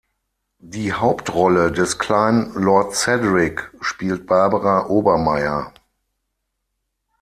Die Hauptrolle des kleinen Lord Cedric spielt Barbara Obermeier.